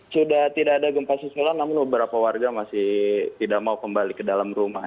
sudah tidak ada gempa susulan namun beberapa warga masih tidak mau kembali ke dalam rumah